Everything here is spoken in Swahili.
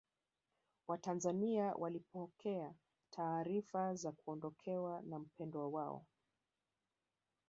watanzania walipokea taarifa za kuondokewa na mpendwa wao